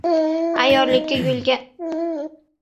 ayyorlikka yolgon qo‘shilsa, tap-tayyor firibgarlikdir.